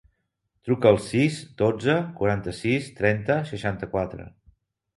Truca al sis, dotze, cinquanta-sis, trenta, seixanta-quatre.